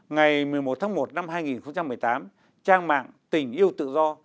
ngày một mươi một tháng một năm hai nghìn một mươi tám trang mạng tình yêu tự do